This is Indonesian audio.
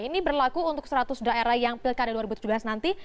ini berlaku untuk seratus daerah yang pilkada dua ribu tujuh belas nanti